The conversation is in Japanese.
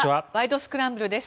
スクランブル」です。